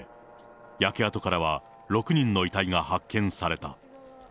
焼け跡からは６人の遺体が発見された。